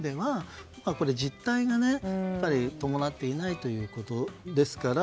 これ、実態が伴っていないということですから。